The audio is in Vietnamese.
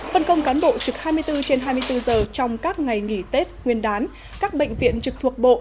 phân công cán bộ trực hai mươi bốn trên hai mươi bốn giờ trong các ngày nghỉ tết nguyên đán các bệnh viện trực thuộc bộ